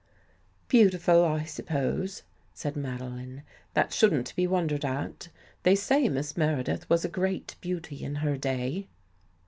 " Beautiful, I suppose," said Madeline. " That shouldn't be wondered at. They say Miss Mere dith was a great beauty in her day."